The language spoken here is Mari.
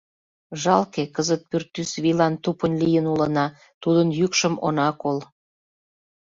Жалке, кызыт пӱртӱс вийлан тупынь лийын улына, тудын йӱкшым она кол.